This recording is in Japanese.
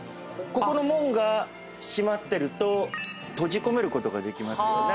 ここの門が閉まってると閉じ込めることができますよね。